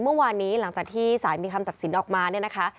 เมื่อวานนี้หลังจากที่สายมีคำตักสินออกมา